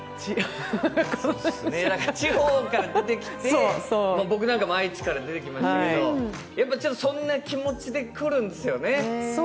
地方から出てきて、僕なんかも愛知から出てきましたけどそんな気持ちで来るんですよね。